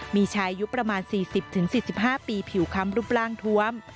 มีชายอายุประมาณ๔๐๔๕ปีผิวค้ำรูปร่างทวม